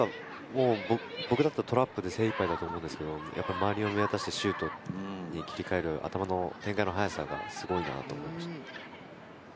僕だったらトラップで精いっぱいだったと思うんですけれど、周りを見渡してシュートで切り替える、頭の展開の速さがすごいなと思いました。